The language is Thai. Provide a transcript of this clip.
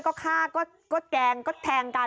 ก็ฆ่าก็แกล้งก็แทงกัน